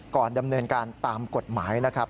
ก่อนดำเนินการตามกฎหมายนะครับ